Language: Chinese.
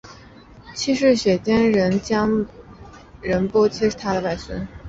七世雪谦冉江仁波切是他的外孙。